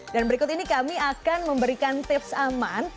dan berikut ini kami akan memberikan tips aman